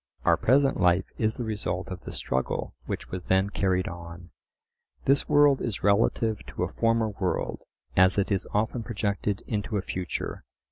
Our present life is the result of the struggle which was then carried on. This world is relative to a former world, as it is often projected into a future.